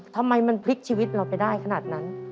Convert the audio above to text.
ทำไมมันพลิกชีวิตเราไปได้ขนาดนั้น